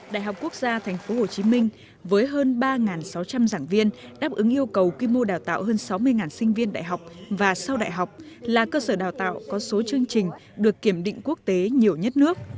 đại học quốc gia tp hcm với hơn ba sáu trăm linh giảng viên đáp ứng yêu cầu quy mô đào tạo hơn sáu mươi sinh viên đại học và sau đại học là cơ sở đào tạo có số chương trình được kiểm định quốc tế nhiều nhất nước